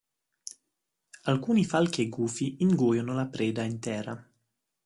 Alcuni falchi e gufi ingoiano la preda intera